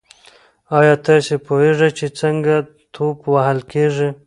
ایا تاسي پوهېږئ چې څنګه توپ وهل کیږي؟